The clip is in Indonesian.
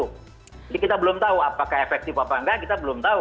jadi kita belum tahu apakah efektif apa enggak kita belum tahu